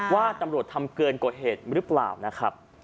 ว่าตำรวจทำเกินกว่าเหตุหรือเปล่านะครับ